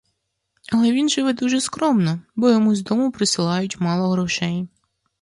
Але він живе дуже скромно, бо йому з дому присилають мало грошей.